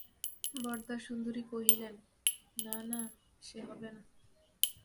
বরদাসুন্দরী কহিলেন, না না, সে হবে না।